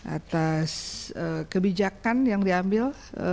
atas kebijakan yang diambil